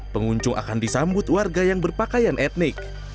pengunjung akan disambut warga yang berpakaian etnik